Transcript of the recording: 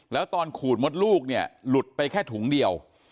แล้วตอนขูดมดลูกเนี่ยหลุดไปแค่ถุงเดียว